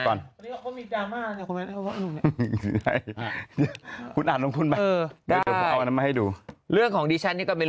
ก่อนอ่านลงคุณไปเอานั้นมาให้ดูเรื่องของดิชันนี่ก็เป็น